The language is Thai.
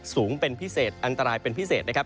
สูงเป็นพิเศษอันตรายเป็นพิเศษนะครับ